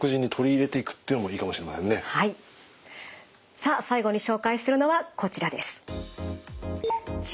さあ最後に紹介するのはこちらです。